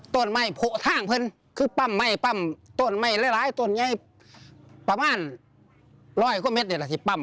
ต้นไม่โผท่างเพลินคือปั๊มไม่ปั๊มต้นไม่ร้ายต้นยัยประมาณ๑๐๐กว่าเม็ดนี่แหละที่ปั๊ม